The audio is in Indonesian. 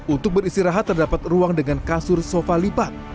untuk beristirahat terdapat ruang dengan kasur sofa lipat